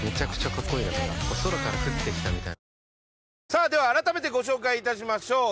さあでは改めてご紹介致しましょう。